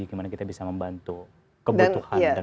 bagaimana kita bisa membantu kebutuhan dan permasalahan